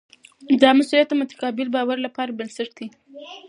دا مسؤلیت د متقابل باور لپاره بنسټ دی.